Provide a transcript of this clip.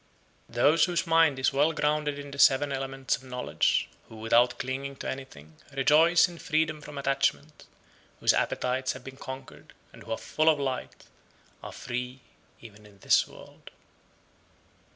89. Those whose mind is well grounded in the (seven) elements of knowledge, who without clinging to anything, rejoice in freedom from attachment, whose appetites have been conquered, and who are full of light, are free (even) in this world.